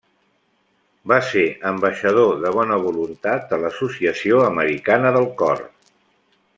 Va ser ambaixador de bona voluntat de l'associació americana del cor.